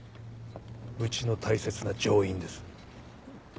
うちの大切な乗員です。